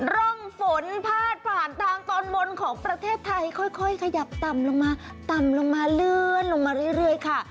ร่องฝนพาดผ่านทางตอนบนของประเทศไทยค่อยขยับต่ำลงมาต่ำลงมาเลื่อนลงมาเรื่อยค่ะ